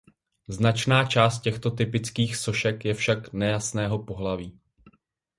Značná část těchto typických sošek je však nejasného pohlaví.